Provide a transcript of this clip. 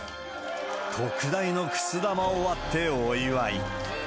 特大のくす玉を割ってお祝い。